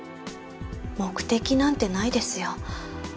目的なんてないですよ。